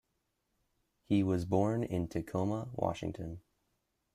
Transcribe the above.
He was born in Tacoma, Washington.